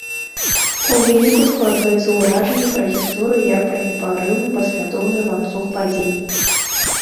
У выніку складваецца ўражанне пра гісторыю як пра непарыўны, паслядоўны ланцуг падзей.